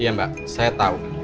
iya mbak saya tau